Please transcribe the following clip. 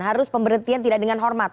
harus pemberhentian tidak dengan hormat